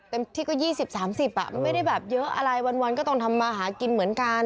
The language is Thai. เต็มที่ก็๒๐๓๐มันไม่ได้แบบเยอะอะไรวันก็ต้องทำมาหากินเหมือนกัน